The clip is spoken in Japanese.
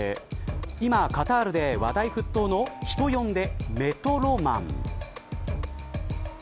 今、カタールで話題沸騰の人呼んでメトロマン。